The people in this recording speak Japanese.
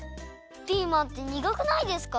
ピーマンってにがくないですか？